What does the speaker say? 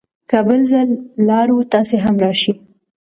که بل ځل لاړو، تاسې هم راشئ.